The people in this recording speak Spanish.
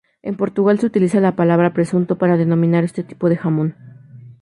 En Portugal se utiliza la palabra "presunto" para denominar este tipo de jamón.